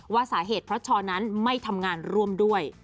ว่าสาเหตุเพราะชอนั้นไม่ทำงานร่วมด้วย